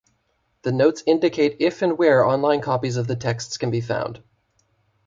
The notes indicate if and where online copies of the texts can be found.